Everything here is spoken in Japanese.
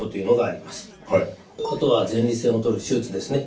あとは前立腺を取る手術ですね。